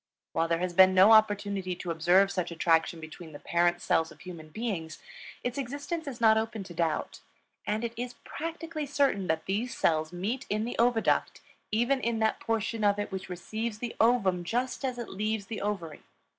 While there has been no opportunity to observe such attraction between the parent cells of human beings, its existence is not open to doubt. And it is practically certain that these cells meet in the oviduct, even in that portion of it which receives the ovum just as it leaves the ovary.